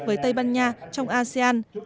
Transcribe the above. với tây ban nha trong asean